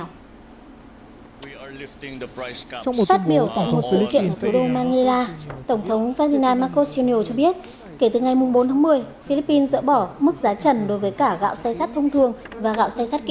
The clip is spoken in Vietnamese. trong một phát biểu tại một sự lý kiện ở thủ đô manila tổng thống ferdinand marcos jr cho biết kể từ ngày bốn tháng một mươi philippines dỡ bỏ mức giá trần đối với cả gạo xay sát thông thường và gạo xay sát kỹ